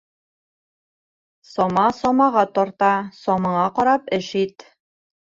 Сама самаға тарта, самаңа ҡарап эш ит.